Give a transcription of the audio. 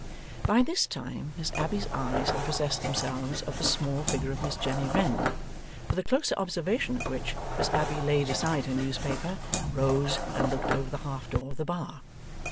By this time Miss Abbey's eyes had possessed themselves of the small figure of Miss Jenny Wren. For the closer observation of which, Miss Abbey laid aside her newspaper, rose, and looked over the half door of the bar.